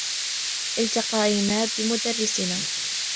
التقينا بمدرّسنا.